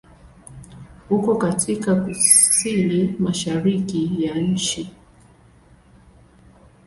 Uko katika kusini-mashariki ya nchi.